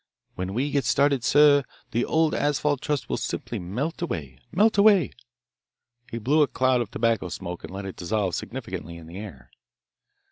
When we get started, sir, the old asphalt trust will simply melt away, melt away." He blew a cloud of tobacco smoke and let it dissolve significantly in the air.